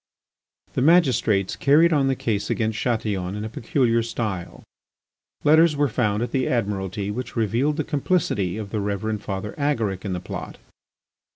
The magistrates carried on the case against Chatillon in a peculiar style. Letters were found at the Admiralty which revealed the complicity of the Reverend Father Agaric in the plot.